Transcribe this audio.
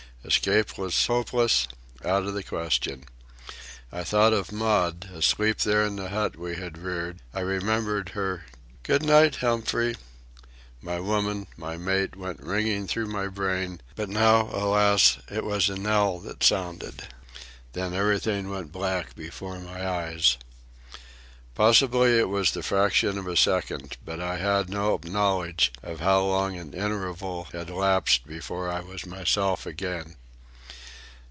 Escape was hopeless, out of the question. I thought of Maud, asleep there in the hut we had reared; I remembered her "Good night, Humphrey"; "my woman, my mate," went ringing through my brain, but now, alas, it was a knell that sounded. Then everything went black before my eyes. Possibly it was the fraction of a second, but I had no knowledge of how long an interval had lapsed before I was myself again.